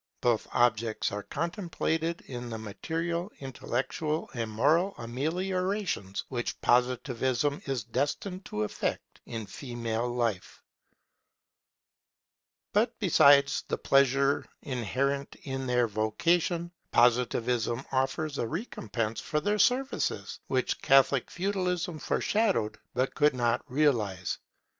Both objects are contemplated in the material, intellectual, and moral ameliorations which Positivism is destined to effect in female life. [They will receive honour and worship from men] But besides the pleasure inherent in their vocation, Positivism offers a recompense for their services, which Catholic Feudalism foreshadowed but could not realize.